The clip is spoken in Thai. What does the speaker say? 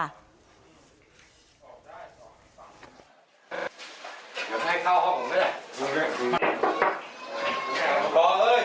เดี๋ยวแม่เข้าห้องของกันได้